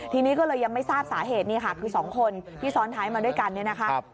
ทีนี้ก็เลยยังไม่ทราบสาเหตุนี่ค่ะคือ๒คนที่ซ้อนท้ายมาด้วยกันเนี่ยนะคะ